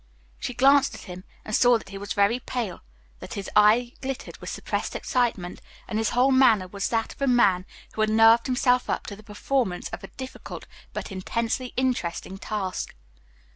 She glanced at him, and saw that he was very pale, that his eye glittered with suppressed excitement, and his whole manner was that of a man who had nerved himself up to the performance of a difficult but intensely interesting task.